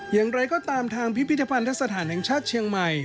อย่างไรก็ตามทางพิพิธภัณฑสถานแห่งชาติเชียงใหม่